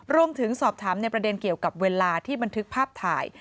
รวมถึงสอบถามในประเด็นเกี่ยวกับเวลาที่บันทึกภาพถ่าย